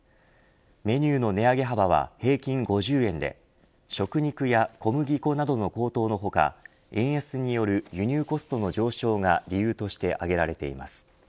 メニューの値上げ幅は平均５０円で食肉や小麦粉などの高騰の他円安による輸入コストの上昇が理由として挙げられています。